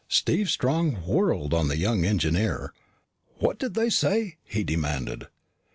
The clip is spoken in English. Steve Strong whirled on the young engineer. "What did they say?" he demanded.